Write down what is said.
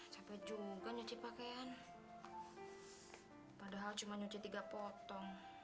supaya dia benar biar kan kalau cuma dia seperti dulu itu